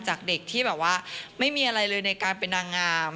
จากเด็กที่แบบว่าไม่มีอะไรเลยในการเป็นนางงาม